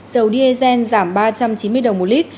dầu diesel giảm ba trăm chín mươi đồng một lít